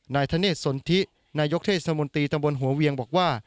นายธเนธสนทินายกเทศมนตรีตำบลหัวเวียงบอกว่า